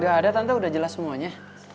gak ada tante udah jelas semuanya